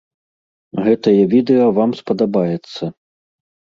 Гэтае відэа вам спадабаецца.